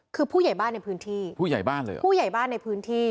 คือผู้ใหญ่บ้านในพื้นที่ผู้ใหญ่บ้านเลยเหรอผู้ใหญ่บ้านในพื้นที่